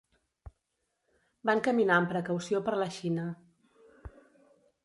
Van caminar amb precaució per la Xina.